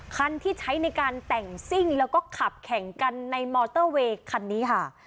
คันที่ใช้ในการแต่งซิ่งแล้วก็ขับแข่งกันในมอเตอร์เวย์คันนี้ค่ะ